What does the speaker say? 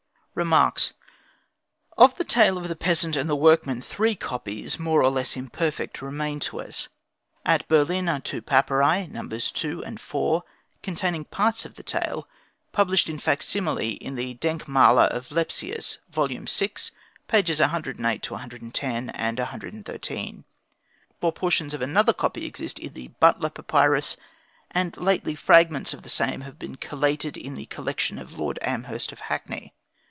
Remarks Of the tale of the peasant and the workman three copies, more or less imperfect, remain to us. At Berlin are two papyri, Nos. 2 and 4, containing parts of the tale, published in facsimile in the "Denkmaler" of Lepsius vi. 108 110 and 113; while portions of another copy exist in the Butler papyrus; and lately fragments of the same have been collated in the collection of Lord Amherst of Hackney.